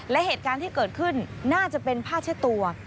และเหตุการณ์ที่เกิดขึ้นน่าจะเป็นผ้าเช็ดตัว